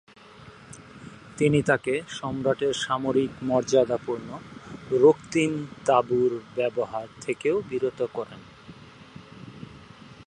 তিনি তাকে সম্রাটের সামরিক মর্যাদাপূর্ণ রক্তিম তাবুর ব্যবহার থেকেও বিরত করেন।